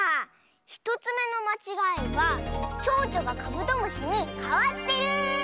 １つめのまちがいはちょうちょがカブトムシにかわってる！